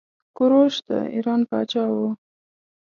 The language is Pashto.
کوروش د ايران پاچا وه.